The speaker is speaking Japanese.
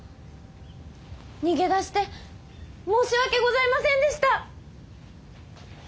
逃げ出して申し訳ございませんでした！